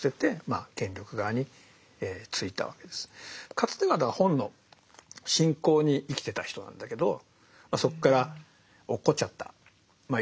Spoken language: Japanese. かつては本の信仰に生きてた人なんだけどそこから落っこっちゃったいわゆる堕天使。